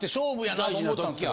大事な時や。